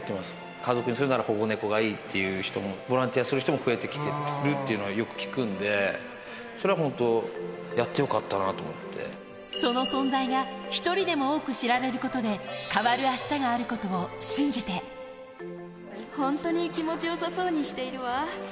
家族にするなら保護猫がいいっていう人も、ボランティアする人も増えてきてるっていうのはよく聞くんで、それは本当、やってよかその存在が１人でも多く知られることで、本当に気持ちよさそうにしているわ。